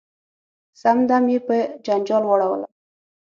سم دم یې په جنجال واړولم .